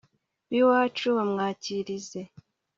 b'iwacu bamwakirize